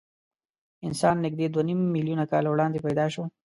انسان نږدې دوه نیم میلیونه کاله وړاندې پیدا شو.